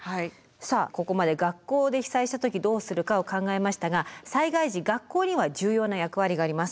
さあここまで学校で被災した時どうするかを考えましたが災害時学校には重要な役割があります。